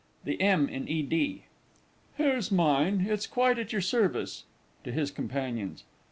THE M. IN E. D. Here's mine it's quite at your service. [_To his companions.